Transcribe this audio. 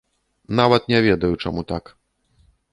Нават не ведаю, чаму так.